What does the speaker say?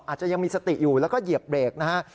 อาจจะยังมีสติอยู่แล้วก็เหยียบเบรกนะฮะ